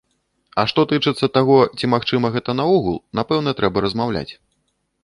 А што тычыцца таго, ці магчыма гэта наогул, напэўна трэба размаўляць.